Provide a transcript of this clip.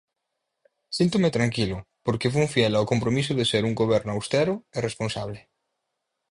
"Síntome tranquilo, porque fun fiel ao compromiso de ser un Goberno austero e responsable".